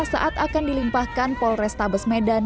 saat akan dilimpahkan polres tabes medan